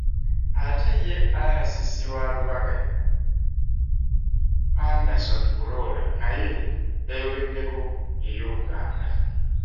Ate ye RCC wa Lubaga, Anderson Bulola naye yayogeddeko eri Obuganda.